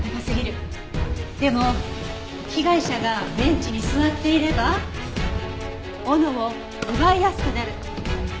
でも被害者がベンチに座っていれば斧を奪いやすくなる。